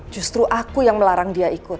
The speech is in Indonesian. justru aku yang melarang dia ikut